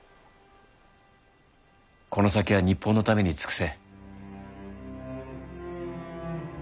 この先は日本のために尽くせ。